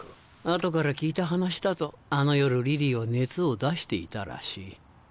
後から聞いた話だとあの夜リリーは熱を出していたらしい。